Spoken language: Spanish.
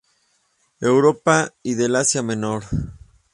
Europa y del Asia Menor.